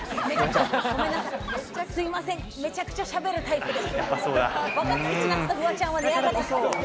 すいません、めちゃくちゃしゃべるタイプです。